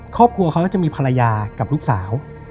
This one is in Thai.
ก็จะมีภรรยากับลูกสาว